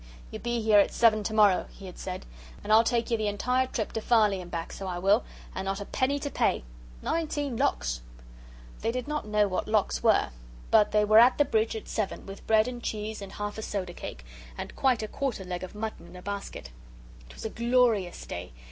"Ye be here at seven to morrow," he had said, "and I'll take you the entire trip to Farley and back, so I will, and not a penny to pay. Nineteen locks!" They did not know what locks were; but they were at the bridge at seven, with bread and cheese and half a soda cake, and quite a quarter of a leg of mutton in a basket. It was a glorious day.